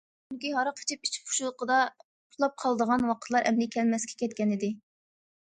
چۈنكى، ھاراق ئىچىپ ئىچ پۇشۇقىدا ئۇخلاپ قالىدىغان ۋاقىتلار ئەمدى كەلمەسكە كەتكەنىدى.